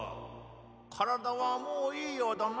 体はもういいようだな！